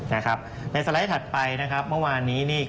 นะครับในสไลด์ถัดไปเมื่อวานนี้